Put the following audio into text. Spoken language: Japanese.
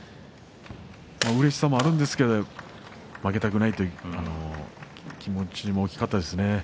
うれしさもあるんですけど負けたくないという気持ちも大きかったですね。